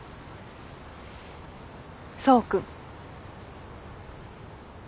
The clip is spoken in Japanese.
想君。